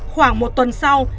khoảng một tuần sau